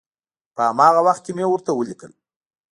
په هماغه وخت کې مې ورته ولیکل.